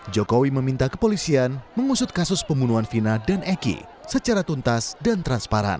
jokowi meminta kepolisian mengusut kasus pembunuhan vina dan eki secara tuntas dan transparan